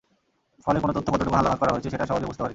ফলে কোন তথ্য কতটুকু হালনাগাদ করা হয়েছে, সেটা সহজে বুঝতে পারি।